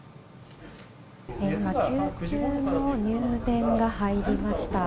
今、救急の入電が入りました。